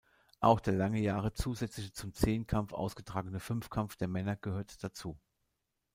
Auch der lange Jahre zusätzlich zum Zehnkampf ausgetragene Fünfkampf der Männer gehört dazu.